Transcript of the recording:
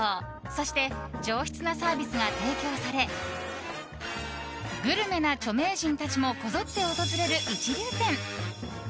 そして上質なサービスが提供されグルメな著名人たちもこぞって訪れる一流店。